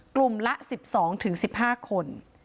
กลุ่มละ๑๒๑๕คน